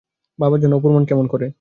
বাবার জন্য অপুর মন কেমন করে।